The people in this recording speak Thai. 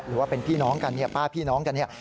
หรือว่าเป็นพี่น้องกันเนี่ยป้าพี่น้องกันเนี่ย